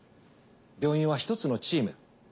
病院は１つのチーム。